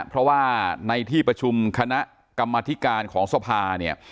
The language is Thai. เพราะว่าในที่ประชุมคณะกรรมธิการของสภาเนี่ย